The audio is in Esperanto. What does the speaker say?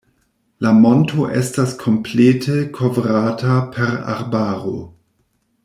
La monto estas komplete kovrata per arbaro.